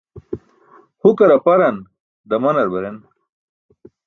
Hukar aparan, damanar baren.